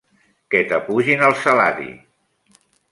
Que t'apugin el salari!